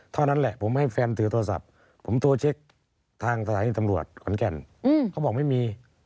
เพราะนั้นผมให้แฟนถือโทรศัพท์ผมโทรเช็คทางศาสตร์ที่ตำรวจขวัญแก่ลเขาบอกไม่มี